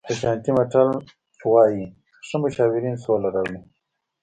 اشانټي متل وایي ښه مشاورین سوله راوړي.